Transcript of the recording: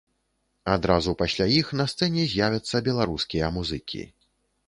Адразу пасля іх на сцэне з'явяцца беларускія музыкі.